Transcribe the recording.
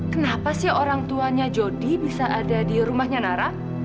kenapa sih orang tuanya jody bisa ada di rumahnya nara